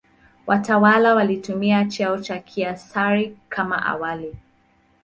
Watawala walitumia cheo cha "Kaisari" kama awali.